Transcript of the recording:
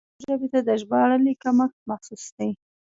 پښتو ژبې ته د ژباړې کمښت محسوس دی.